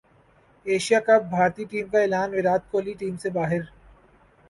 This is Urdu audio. ایشیا کپ بھارتی ٹیم کا اعلان ویرات کوہلی ٹیم سے باہر